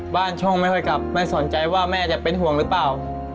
บ้านช่องไม่ค่อยกลับไม่สนใจว่าแม่จะเป็นห่วงหรือเปล่า